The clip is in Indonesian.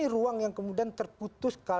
ruang yang kemudian terputus